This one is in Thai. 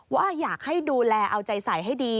ว่าอยากให้ดูแลเอาใจใส่ให้ดี